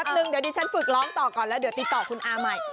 หนึ่งเดี๋ยวดิฉันฝึกร้องต่อก่อนแล้วเดี๋ยวติดต่อคุณอาใหม่